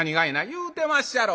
「言うてまっしゃろ。